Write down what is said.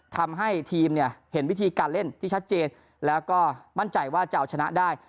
ทำให้ทีมเนี่ยเห็นวิธีการเล่นที่ชัดเจนแล้วก็มั่นใจว่าจะเอาชนะได้